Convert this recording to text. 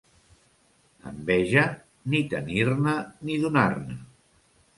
Enveja, ni tenir-ne ni donar-ne.